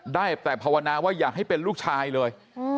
ได้แต่ภาวนาว่าอย่าให้เป็นลูกชายเลย